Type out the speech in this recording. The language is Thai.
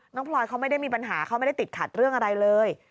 พลอยเขาไม่ได้มีปัญหาเขาไม่ได้ติดขัดเรื่องอะไรเลย